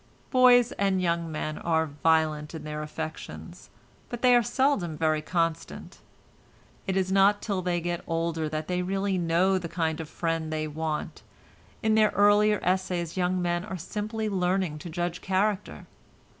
Boys and young men are violent in their affections, but they are seldom very constant; it is not till they get older that they really know the kind of friend they want; in their earlier essays young men are simply learning to judge character.